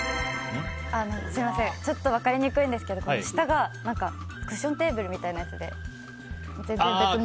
ちょっと分かりにくいんですけど下がクッションテーブルみたいなやつで、全然別物。